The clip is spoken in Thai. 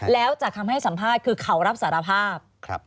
แล้วจากคำให้สัมภาษณ์คือเขารับสารภาพ